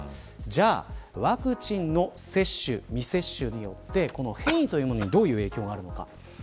ではワクチンの接種、未接種によって変異というものにどういう影響があるのか。